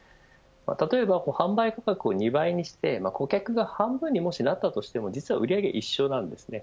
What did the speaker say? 例えば、販売価格を２倍にして顧客が半分になったとしても実は売上は一緒なんですね。